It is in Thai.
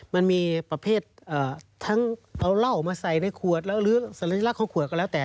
มันมีประเภททั้งเอาเหล้ามาใส่ในขวดแล้วหรือสัญลักษณ์ของขวดก็แล้วแต่